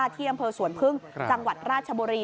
ที่อำเภอสวนพึ่งจังหวัดราชบุรี